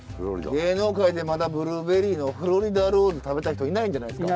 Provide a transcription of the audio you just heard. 芸能界でまだブルーベリーのフロリダローズ食べた人いないんじゃないですか？